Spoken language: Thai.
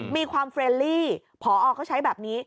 มีความเฟรนลี่พอเขาใช้แบบนี้